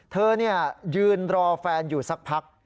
เธอยืนรอแฟนอยู่สักพัก